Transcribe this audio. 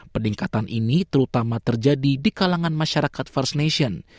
peningkatan ini terutama terjadi di kalangan masyarakat first nation